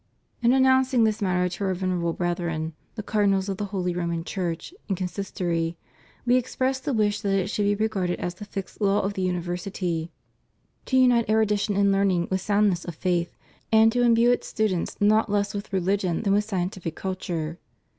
In announcing this matter to Our Venerable Brethren, the Cardinals of the Holy Roman Church, in Consistory, We expressed the wish that it should be re garded as the fixed law of the university to unite erudition and learning with soundness of faith and to imbue its students not less with reUgion than with scientific culture.